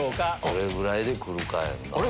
どれぐらいでくるかやんな。